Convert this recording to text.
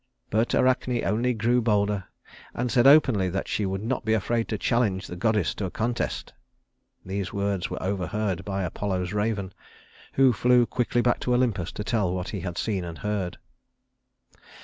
But Arachne only grew bolder, and said openly that she would not be afraid to challenge the goddess to a contest. These words were overheard by Apollo's raven, who flew quickly back to Olympus to tell what he had seen and heard.